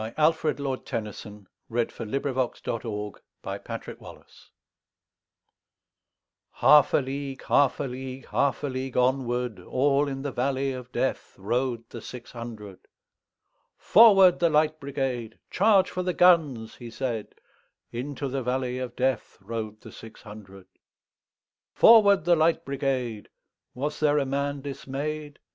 Alfred Tennyson, 1st Baron 1809–92 The Charge of the Light Brigade Tennyson HALF a league, half a league, Half a league onward, All in the valley of DeathRode the six hundred."Forward, the Light Brigade! Charge for the guns!" he said:Into the valley of DeathRode the six hundred."Forward, the Light Brigade!"Was there a man dismay'd?